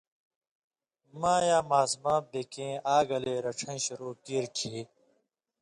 مایاں ماسُمہۡ بے کېں آ گلے رڇھَیں شُروع کیریۡ کھیں